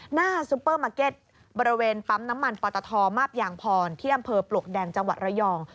ซุปเปอร์มาร์เก็ตบริเวณปั๊มน้ำมันปตทมาบยางพรที่อำเภอปลวกแดงจังหวัดระยอง